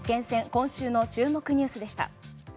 今週の注目ニュースでした。